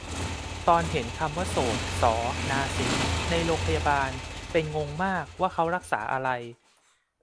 ตอนเห็นคำว่าโสต ศอ นาสิก ในโรงพยาบาล เป็นงงมากว่าเขารักษาอะไร